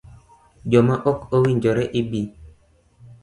Joma ok owinjore ibi